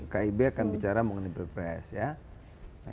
kib akan bicara mengenai pilpres ya